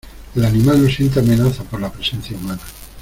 el animal no siente amenaza por la presencia humana.